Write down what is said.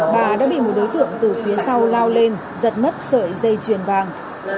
bà đã bị một đối tượng từ phía sau lao lên giật mất sợi dây chuyền vàng